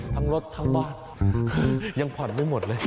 ทั้งรถทั้งบาทยังผ่อนไม่หมดเลย